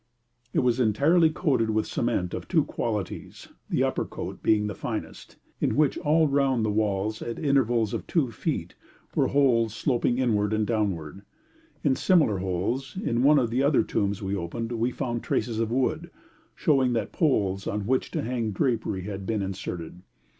It was entirely coated with cement of two qualities, the upper coat being the finest, in which all round the walls at intervals of two feet were holes sloping inwards and downward. In similar holes, in one of the other tombs we opened, we found traces of wood, showing that poles on which to hang drapery had been inserted.